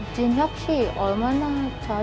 jinhyuk si berapa sering